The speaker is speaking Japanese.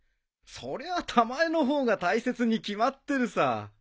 そりゃたまえの方が大切に決まってるさ。